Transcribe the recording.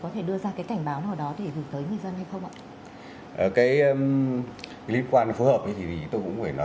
thêm cho như thế này